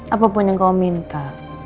apapun yang kamu minta